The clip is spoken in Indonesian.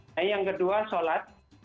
nah yang kedua sholat